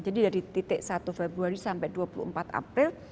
jadi dari titik satu februari sampai dua puluh empat april